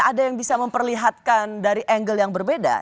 ada yang bisa memperlihatkan dari angle yang berbeda